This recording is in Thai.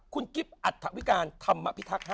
คุณกิฟท์อธพิการธรรมพิทักษ์ฮะ